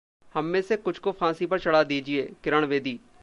हममें से कुछ को फांसी पर चढ़ा दीजिये: किरण बेदी